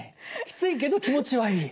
きついけど気持ちはいい。